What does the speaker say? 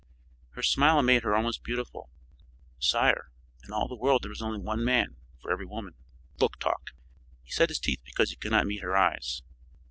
Her smile made her almost beautiful. "Sire, in all the world there is only one man for every woman." "Book talk." He set his teeth because he could not meet her eyes.